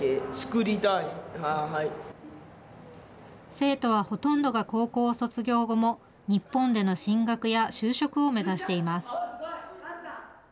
生徒はほとんどが高校を卒業後も、日本での進学や就職を目指しています。